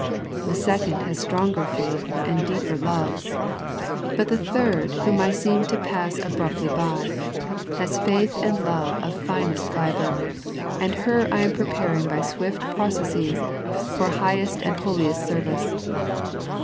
The second has stronger faith and deeper love, but the third whom I seemed to pass abruptly by, has faith and love of finest fibre, and her I am preparing by swift processes for highest and holiest service.